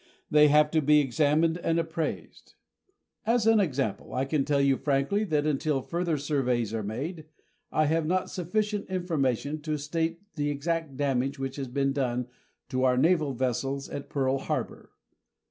They have to be examined and appraised. As an example, I can tell you frankly that until further surveys are made, I have not sufficient information to state the exact damage which has been done to our naval vessels at Pearl Harbor.